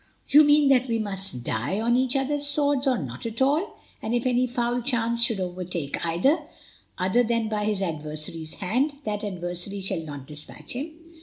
"You mean that we must die on each other's swords or not at all, and if any foul chance should overtake either, other than by his adversary's hand, that adversary shall not dispatch him?"